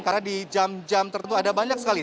karena di jam jam tertentu ada banyak sekali